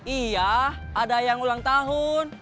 iya ada yang ulang tahun